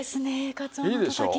かつおのたたき。